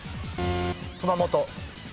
熊本。